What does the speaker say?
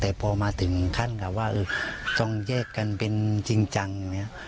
แต่พอมาถึงขั้นกับว่าต้องแยกกันเป็นจริงจังเนี่ย